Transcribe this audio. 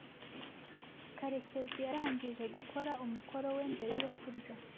Karekezi yarangije gukora umukoro we mbere yo kurya.